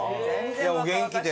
お元気で。